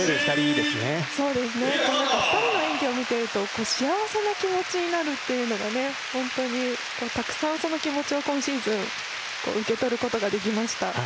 ２人の演技を見ていると、幸せな気持ちになるっていうのが本当にたくさん、その気持ちを今シーズン受け取ることができました。